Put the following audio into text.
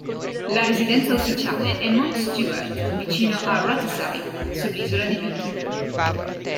La residenza ufficiale è Mount Stuart, vicino a Rothesay, sull'Isola di Bute.